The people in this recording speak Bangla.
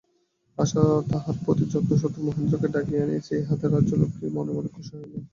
আশা তাঁহার প্রতি যত্নবশত মহেন্দ্রকে ডাকিয়া আনিয়াছে, ইহাতে রাজলক্ষ্মী মনে মনে খুশি হইলেন।